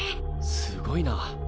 すごいな！